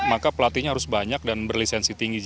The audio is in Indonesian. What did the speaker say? maka pelatihnya harus banyak dan berlisensi tinggi